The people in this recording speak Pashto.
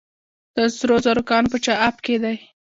د سرو زرو کان په چاه اب کې دی